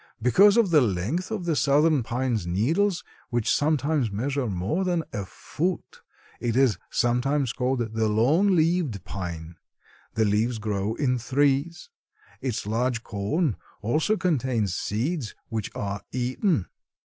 Because of the length of the southern pine's needles, which sometimes measure more than a foot, it is sometimes called the long leaved pine. The leaves grow in threes. Its large cone also contains seeds, which are eaten."